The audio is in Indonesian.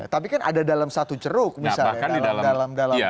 tapi kan ada dalam satu ceruk misalnya dalam